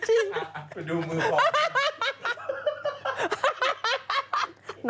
โอลี่คัมรี่ยากที่ใครจะตามทันโอลี่คัมรี่ยากที่ใครจะตามทัน